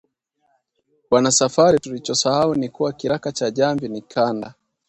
Bwana Safari tulichosahahu ni kuwa kiraka cha jamvi ni kanda